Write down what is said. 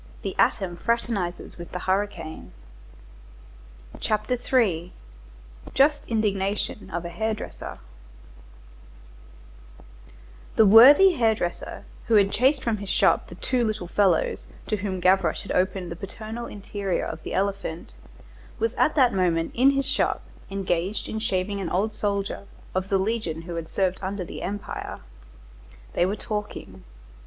Then he directed his course towards l'Orme Saint Gervais. CHAPTER III—JUST INDIGNATION OF A HAIR DRESSER The worthy hair dresser who had chased from his shop the two little fellows to whom Gavroche had opened the paternal interior of the elephant was at that moment in his shop engaged in shaving an old soldier of the legion who had served under the Empire. They were talking.